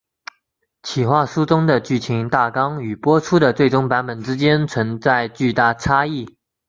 企划书中的剧情大纲与播出的最终版本之间存在巨大差异。